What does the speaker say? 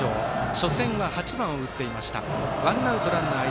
初戦は８番を打っていました。